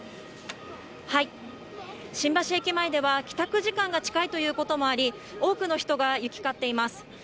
新橋駅前では、帰宅時間が近いということもあり、多くの人が行き交っています。